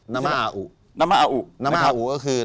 นะมะอาอุนะมะอาอุก็คือ